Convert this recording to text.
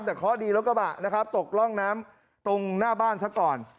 แต่ข้อดีลดกระบะนะครับตกล่องน้ำตรงหน้าบ้านซะก่อน